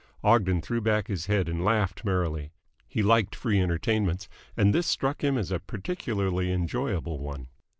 Ogden threw back his head and laughed merrily. He liked free entertainments, and this struck him as a particularly enjoyable one.